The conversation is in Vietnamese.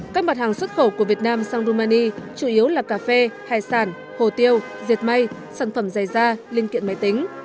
các mặt hàng xuất khẩu của việt nam sang rumani chủ yếu là cà phê hải sản hồ tiêu diệt may sản phẩm dày da liên kiện máy tính